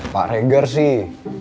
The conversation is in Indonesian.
pak regar sih